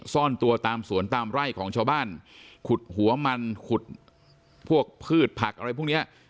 ซ่อนตัวตามสวนตามไร่ของชาวบ้านขุดหัวมันขุดพวกพืชผักอะไรพวกเนี้ย